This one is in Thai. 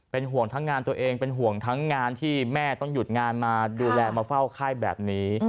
ห่วงทั้งงานตัวเองเป็นห่วงทั้งงานที่แม่ต้องหยุดงานมาดูแลมาเฝ้าไข้แบบนี้